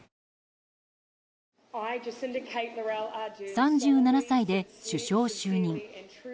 ３７歳で首相就任。